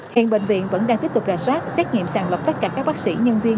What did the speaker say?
hiện bệnh viện vẫn đang tiếp tục rà soát xét nghiệm sàng lọc tất cả các bác sĩ nhân viên